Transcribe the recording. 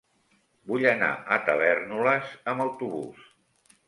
Vull anar a Tavèrnoles amb autobús.